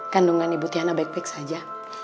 kandungan ibu tiana baik baik saja